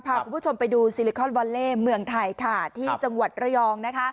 พาคุณผู้ชมไปดูซิลิคอนวอลเล่เมืองไทยค่ะที่จังหวัดระยองนะคะ